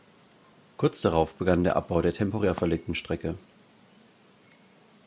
Kurz darauf begann der Abbau der temporär verlegten Strecke.